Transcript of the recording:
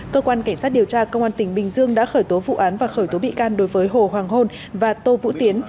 cơ quan cảnh sát điều tra công an tỉnh bình dương đã khởi tố vụ án và khởi tố bị can đối với hồ hoàng hôn và tô vũ tiến